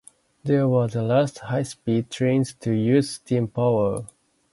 These were the last "high-speed" trains to use steam power.